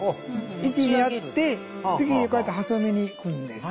位置にやって次にこうやって挟みにいくんです。